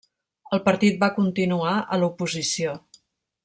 El partit va continuar a l'oposició.